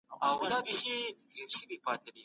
خلق او پرچم یو ځای شول.